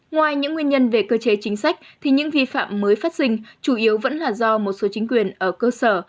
ngoài những nguyên nhân về cơ chế chính sách thì những vi phạm mới phát sinh chủ yếu vẫn là do một số chính quyền ở cơ sở